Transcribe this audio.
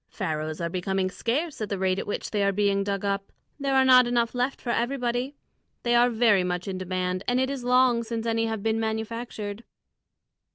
Pharaohs are becoming scarce at the rate at which they are being dug up; there are not enough left for everybody. They are very much in demand, and it is long since any have been manufactured."